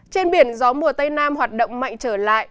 trên biển gió mùa tây nam hoạt động mạnh trở lại